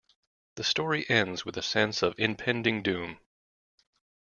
The story ends with a sense of impending doom.